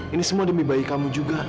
ini semua demi bayi kamu juga